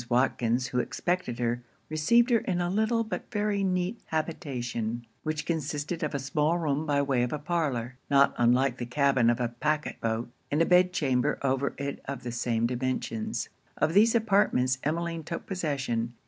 Watkins, who expected her, received her in a little but very neat habitation, which consisted of a small room by way of parlour, not unlike the cabin of a packet boat, and a bed chamber over it of the same dimensions. Of these apartments, Emmeline took possession.